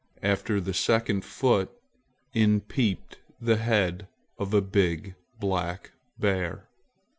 After the second foot, in peeped the head of a big black bear!